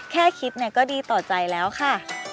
แค่คิดก็ดีต่อใจแล้วค่ะ